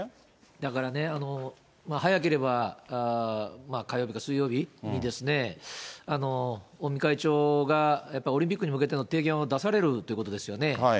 だからね、早ければ、火曜日か水曜日に尾身会長がやっぱりオリンピックに向けての提言を出されるということですよね。